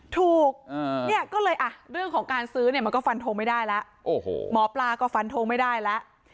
ถูกเรื่องของการซื้อมันก็ฟันโทงไม่ได้แล้วหมอปลาก็ฟันโทงไม่ได้แล้ว